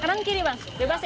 kanan kiri bang bebas ya